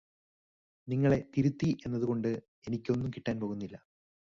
നിങ്ങളെ തിരുത്തി എന്നത് കൊണ്ട് എനിക്കൊന്നും കിട്ടാൻ പോകുന്നില്ല.